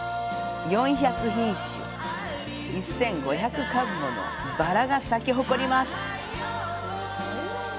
４００品種、１５００株ものバラが咲き誇ります。